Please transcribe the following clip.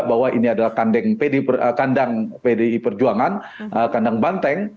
bahwa ini adalah kandang pdi perjuangan kandang banteng